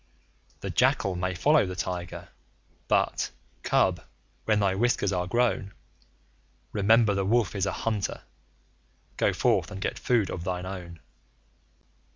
The jackal may follow the Tiger, but, Cub, when thy whiskers are grown, Remember the Wolf is a hunter go forth and get food of thine own.